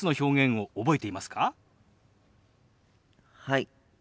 はい。